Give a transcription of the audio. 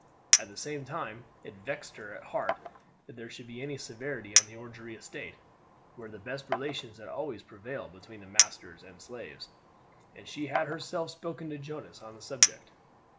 At the same time it vexed her at heart that there should be any severity on the Orangery estate, where the best relations had always prevailed between the masters and slaves, and she had herself spoken to Jonas on the subject.